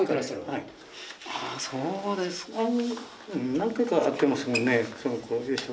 そうですか。